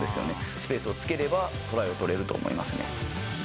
スペースをつければ、トライを取れると思いますね。